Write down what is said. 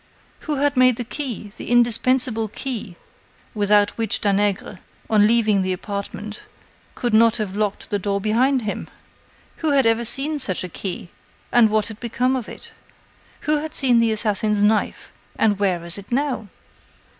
Who had made the key, the indispensable key without which Danègre, on leaving the apartment, could not have locked the door behind him? Who had ever seen such a key, and what had become of it? Who had seen the assassin's knife, and where is it now?